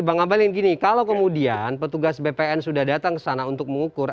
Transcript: bang abalin gini kalau kemudian petugas bpn sudah datang ke sana untuk mengukur